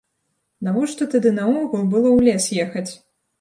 Навошта тады наогул было ў лес ехаць?